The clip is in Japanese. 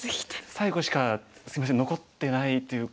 最後しかすいません残ってないというか。